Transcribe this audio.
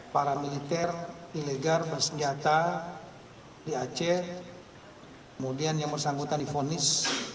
para militer ilegal bersenjata di aceh kemudian yang bersangkutan difonis